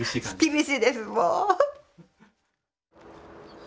厳しいですもう。